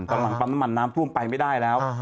กำลังปั๊มน้ำมันน้ำท่วมไปไม่ได้แล้ว